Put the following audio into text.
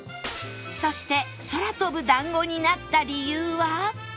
そして空飛ぶだんごになった理由は